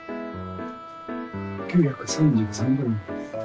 ９３３グラムです。